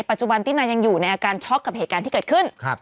ปัจจุบันตินายังอยู่ในอาการช็อกกับเหตุการณ์ที่เกิดขึ้น